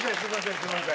すいません